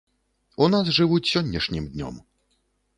У нас жывуць сённяшнім днём.